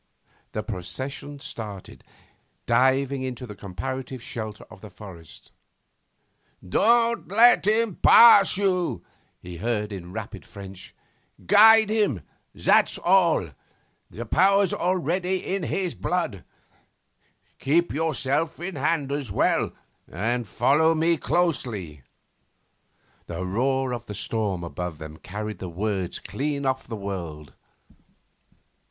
The procession started, diving into the comparative shelter of the forest. 'Don't let him pass you,' he heard in rapid French; 'guide him, that's all. The power's already in his blood. Keep yourself in hand as well, and follow me closely.' The roar of the storm above them carried the words clean off the world.